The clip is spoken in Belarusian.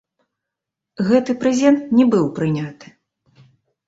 Гэты прэзент не быў прыняты.